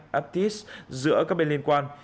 ielts giữa các bên liên quan